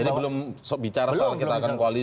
jadi belum bicara soal kita akan koalisi